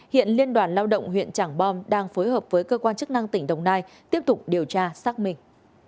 hiện liên đoàn lao động huyện trảng bom đang phối hợp với cơ quan chức năng tỉnh đồng nai tiếp tục điều tra xác minh